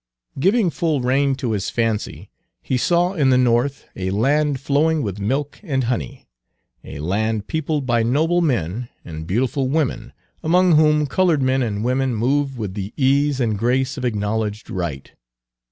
Giving full rein to his fancy, he saw in the North a land flowing with milk and honey, a land peopled by noble men and beautiful women, among whom colored men and women moved with the ease and grace of acknowledged right.